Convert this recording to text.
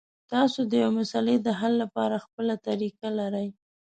تاسو د یوې مسلې د حل لپاره خپله طریقه لرئ.